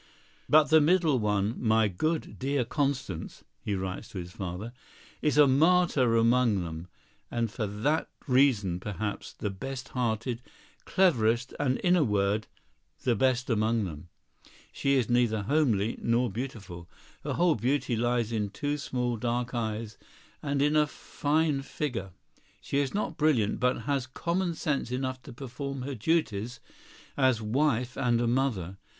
"But the middle one, my good, dear Constance," he writes to his father, "is a martyr among them, and for that reason, perhaps, the best hearted, cleverest, and, in a word, the best among them.… She is neither homely nor beautiful. Her whole beauty lies in two small, dark eyes and in a fine figure. She is not brilliant, but has common sense enough to perform her duties as wife and mother.